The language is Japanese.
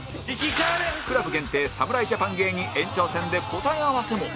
ＣＬＵＢ 限定侍ジャパン芸人延長戦で答え合わせも